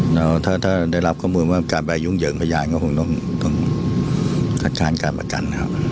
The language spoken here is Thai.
แล้วถ้าได้รับข้อมูลว่าการไปยุ่งเหยิงพยานก็คงต้องคัดค้านการประกันนะครับ